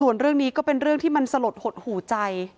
ส่วนเรื่องนี้ก็เป็นเรื่องที่มันสลดหดหูใจ